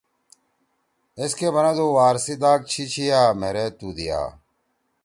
ایس کے بنَدُو وارسی داک چھی چھیا مھیرے تُو دیا۔